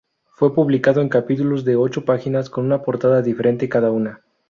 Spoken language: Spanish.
Fue publicado en capítulos de ocho páginas, con una portada diferente cada una.